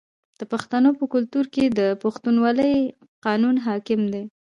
د پښتنو په کلتور کې د پښتونولۍ قانون حاکم دی.